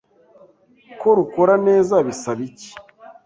ko rukora neza bisaba icyi